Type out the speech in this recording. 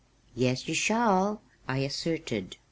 "Yes, you shall," I asserted.